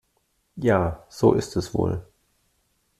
Ja, so ist es wohl.